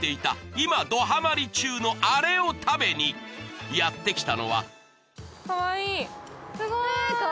今どハマり中のあれを食べにやって来たのはうわ